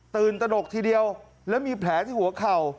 ตนกทีเดียวแล้วมีแผลที่หัวเข่า